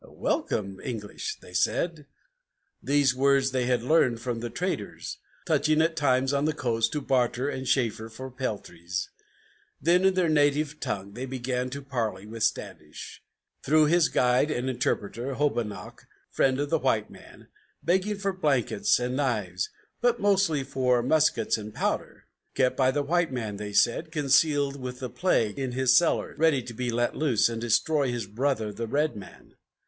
"Welcome, English!" they said, these words they had learned from the traders Touching at times on the coast, to barter and chaffer for peltries. Then in their native tongue they began to parley with Standish, Through his guide and interpreter, Hobomok, friend of the white man, Begging for blankets and knives, but mostly for muskets and powder, Kept by the white man, they said, concealed, with the plague, in his cellars, Ready to be let loose, and destroy his brother the red man!